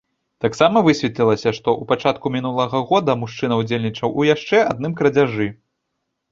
Таксама высветлілася, што ў пачатку мінулага года мужчына ўдзельнічаў у яшчэ адным крадзяжы.